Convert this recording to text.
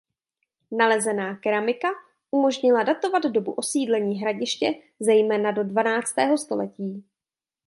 Nalezená keramika umožnila datovat dobu osídlení hradiště zejména do dvanáctého století.